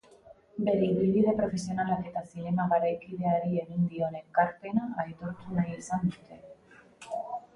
Bere ibilbide profesionalak eta zinema garaikideari egin dion ekarpena aitortu nahi izan dute.